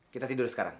kita tidur sekarang